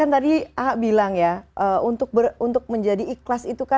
tadi saya bilang untuk menjadi ikhlas